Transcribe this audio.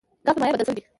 ګاز په مایع بدل شوی دی.